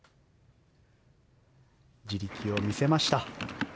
地力を見せました。